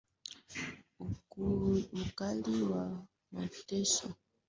Ukali wa mateso ulitegemea siasa ya wakuu wa mikoa ya Kiroma Wakati